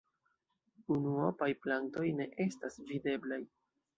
Unuopaj plantoj ne estas videblaj.